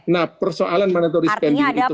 nah persoalan mandatory spending itu